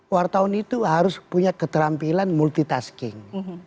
wartawan itu harus punya keterampilan multitasking